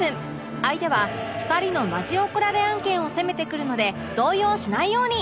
相手は２人のマジ怒られ案件を責めてくるので動揺しないように